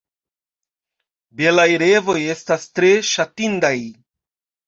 Belaj revoj estas tre ŝatindaj.